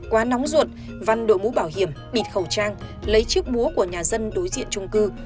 quá nóng ruột văn đội mũ bảo hiểm bịt khẩu trang lấy chiếc búa của nhà dân đối diện trung cư